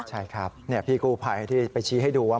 ใช่ครับพี่กู้ภัยที่ไปชี้ให้ดูว่า